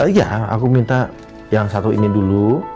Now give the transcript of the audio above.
iya aku minta yang satu ini dulu